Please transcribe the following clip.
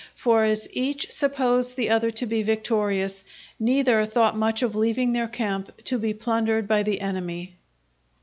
For as each supposed the other to be victorious, neither thought much of leaving their camp to be plundered by the enemy.